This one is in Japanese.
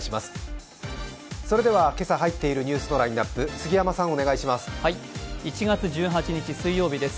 それでは、今朝入っているニュースのラインナップ、杉山さん、お願いします。